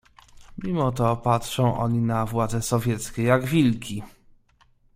"Mimo to patrzą oni na władzę sowieckie, jak wilki."